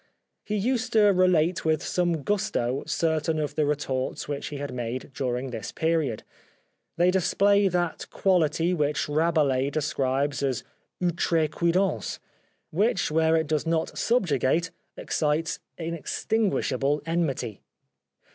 He used to re late with some gusto certain of the retorts which he had made during this period. They display that quality which Rabelais describes as outre cuidance, which where it does not subjugate ex cites inextinguishable enmity.